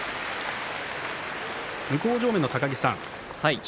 向正面の高木さん